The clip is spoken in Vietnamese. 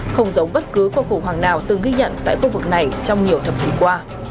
không giống bất cứ cuộc khủng hoảng nào từng ghi nhận tại khu vực này trong nhiều thập kỷ qua